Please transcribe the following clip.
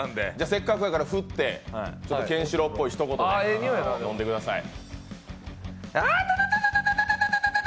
せっかくやから振ってケンシロウっぽいひと言で飲んでください。